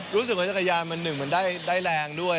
รู้สึกว่าจักรยานมัน๑มันได้แรงด้วย